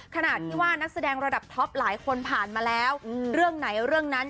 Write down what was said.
ขนาดที่ว่านักแสดงระดับท็อปหลายคนผ่านมาแล้วเรื่องไหนเรื่องนั้น